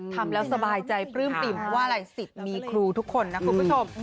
ทำแล้วสบายใจปลื้มปิ่มเพราะว่าอะไรสิทธิ์มีครูทุกคนนะคุณผู้ชม